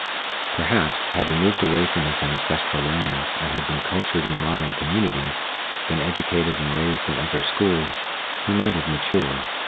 Perhaps, had he moved away from his ancestral lands and had been cultured in modern communities, been educated and raised in other schools, he might have matured.